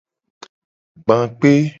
Gba kpe.